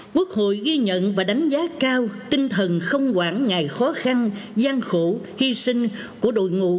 quốc hội ghi nhận và đánh giá cao tinh thần không quản ngại khó khăn gian khổ hy sinh của đội ngũ